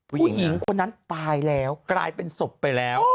ผู้หญิงคนนั้นตายแล้วกลายเป็นศพไปแล้ว